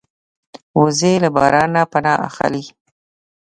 وزې له باران نه پناه اخلي